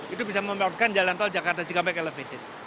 itu bisa membangunkan jalan tol jakarta cikampek elevated